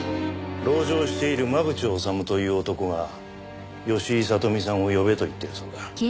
籠城している真渕治という男が吉井聡美さんを呼べと言っているそうだ。